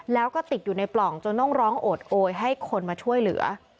แล้วก็ติดอยู่ในปล่องจนต้องร้องโอดโอยให้คนมาช่วยเหลือ